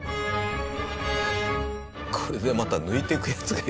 これでまた抜いていくヤツがいる。